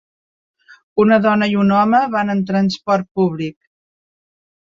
Una dona i un home van en transport públic.